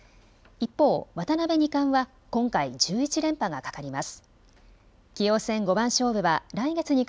一方、渡辺二冠は今回１１連覇がかかります。